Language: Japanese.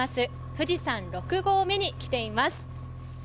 富士山六合目に来ています。